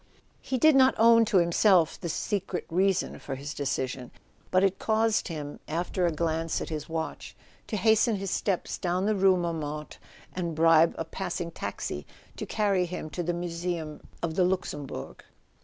He did not own to himself his secret reason for this decision; but it caused him, after a glance at his watch, to hasten his steps down the rue Montmartre and bribe a passing taxi to carry him to the Museum of the Luxembourg.